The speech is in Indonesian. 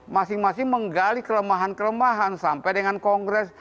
masing masing menggali kelemahan kelemahan sampai dengan kongres